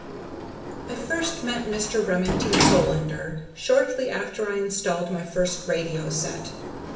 _ I first met Mr. Remington Solander shortly after I installed my first radio set.